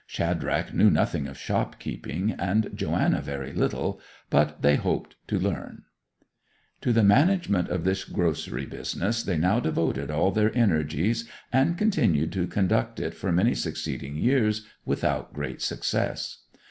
Shadrach knew nothing of shopkeeping, and Joanna very little, but they hoped to learn. To the management of this grocery business they now devoted all their energies, and continued to conduct it for many succeeding years, without great success.